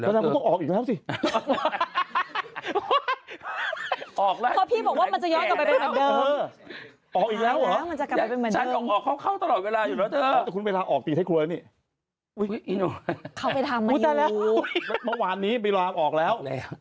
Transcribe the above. เมื่อวานนี้ไปร้าออกแล้ว